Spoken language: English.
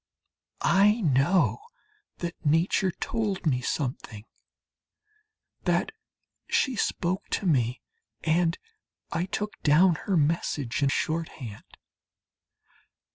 I know that Nature told me something, that she spoke to me, and that I took down her message in shorthand.